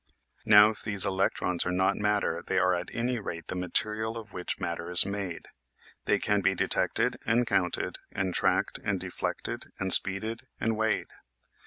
Now if these electrons are not matter they are at any rate the material of which matter is made. They can be detected and counted and tracked and deflected and speeded and weighed.